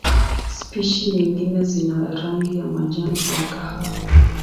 Spishi nyingine zina rangi ya majani au kahawa.